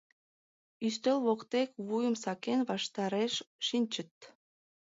Ӱстел воктек, вуйым сакен, ваштареш шинчыт.